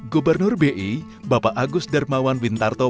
gubernur b i bapak agus darmawan bintarto moky